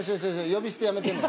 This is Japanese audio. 呼び捨てやめてね。